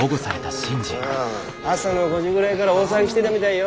朝の５時ぐらいがら大騒ぎしてだみだいよ。